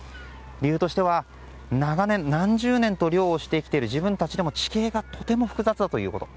理由としては長年、何十年も漁をしてきている自分たちでも地形がとても複雑だということ。